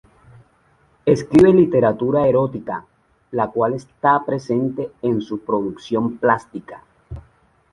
Escribe literatura erótica, la cual está presente en su producción plástica.